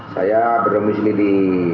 saya beromisili di